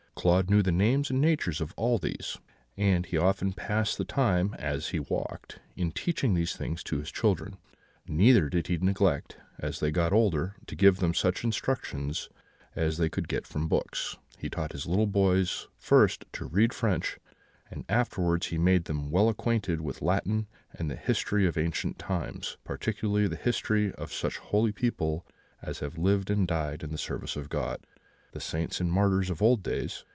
Claude knew the names and natures of all these; and he often passed the time, as he walked, in teaching these things to his children. Neither did he neglect, as they got older, to give them such instructions as they could get from books. He taught his little boys first to read French, and afterwards he made them well acquainted with Latin and the history of ancient times, particularly the history of such holy people as have lived and died in the service of God the saints and martyrs of old days.